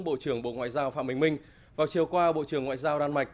bộ trưởng bộ ngoại giao phạm bình minh vào chiều qua bộ trưởng ngoại giao đan mạch